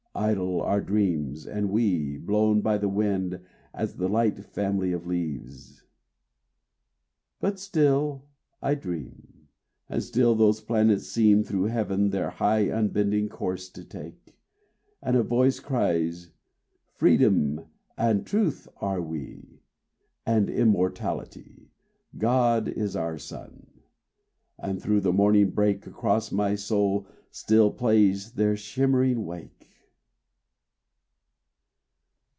Idle our dreams, and we, Blown by the wind, as the light family Of leaves." But still I dream, And still those planets seem Through heaven their high, unbending course to take; And a voice cries: "Freedom and Truth are we, And Immortality: God is our sun." And though the morning break, Across my soul still plays their shimmering wake.